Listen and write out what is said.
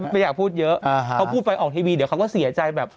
ไม่อยากพูดเยอะเขาพูดไปออกทีวีเดี๋ยวเขาก็เสียใจแบบ